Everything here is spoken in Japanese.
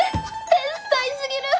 天才すぎる！